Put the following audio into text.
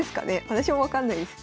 私も分かんないです。